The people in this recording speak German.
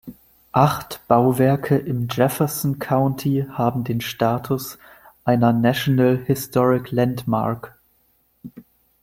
Acht Bauwerke im Jefferson County haben den Status einer National Historic Landmark.